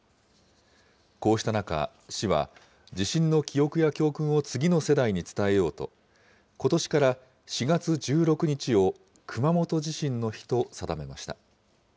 こうした中、市は地震の記憶や教訓を次の世代に伝えようと、ことしから４月１６日を熊本地震の日と定めました。